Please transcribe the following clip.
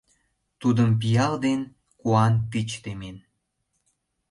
Тудым пиал ден куан тич темен.